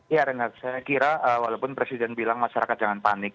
ya renat saya kira walaupun presiden bilang masyarakat jangan panik